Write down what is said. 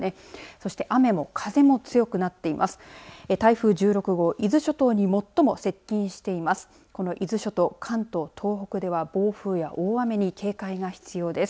そして雨も風も強くなっています。